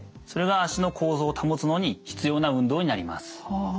それが足の構造を保つのに必要な運動になります。